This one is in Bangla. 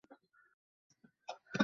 এখানেই সুকুমার সেনের পড়াশোনার শুরু।